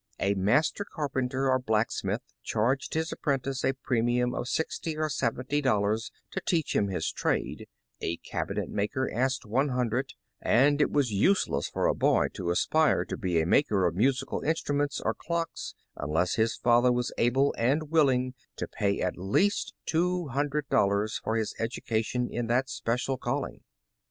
A master carpen ter or blacksmith charged his apprentice a premium of sixty or seventy dollars to teach him his trade, a cab inet maker asked one hundred, and it was useless for a boy to aspire to be the maker of musical instruments or clocks, unless his father was able, and willing, to pay at least two hundred dollars for his education in this special callling.